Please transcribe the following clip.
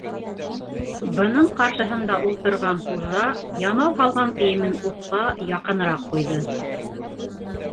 Бының ҡаршыһында ултырған хужа ямау һалған кейемен утҡа яҡыныраҡ ҡуйҙы.